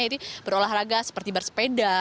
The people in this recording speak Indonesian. yaitu berolahraga seperti bersepeda